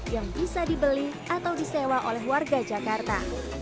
yang bisa dibeli atau disewa oleh warga jakarta